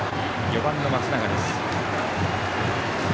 ４番の松永です。